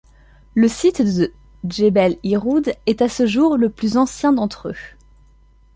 Le site de Djebel Irhoud est, à ce jour, le plus ancien d'entre eux.